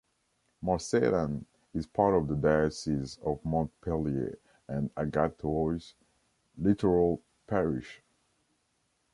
Marseillan is part of the diocese of Montpellier and Agathois littoral parish.